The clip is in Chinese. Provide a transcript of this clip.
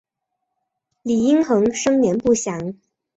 李殷衡生年不详。